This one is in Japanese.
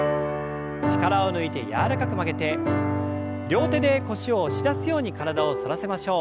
力を抜いて柔らかく曲げて両手で腰を押し出すように体を反らせましょう。